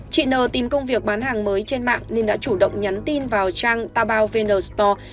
chị nờ tìm công việc bán hàng mới trên mạng nên đã chủ động nhắn tin vào trang tabao vn store